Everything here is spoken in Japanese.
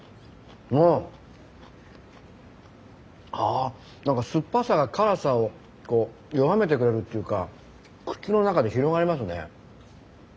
あなんか酸っぱさが辛さを弱めてくれるというか口の中で広がりますね。